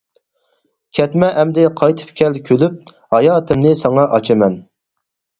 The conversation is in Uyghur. كەتمە ئەمدى قايتىپ كەل كۈلۈپ، ھاياتىمنى ساڭا ئاچىمەن.